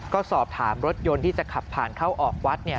ก็สอบถามรถยนต์ที่จะขับผ่านเข้าออกวัด